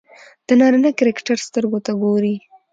د نارينه کرکټر سترګو ته ګوري